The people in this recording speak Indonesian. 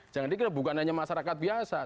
jangan dikira bukan hanya masyarakat biasa